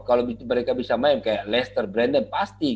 kalau mereka bisa bermain seperti leicester brandon pasti